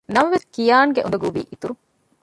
ނަމަވެސް ކިޔާންގެ އުނދަގޫ ވީ އިތުރު